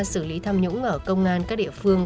xử lý tham nhũng ở công an các địa phương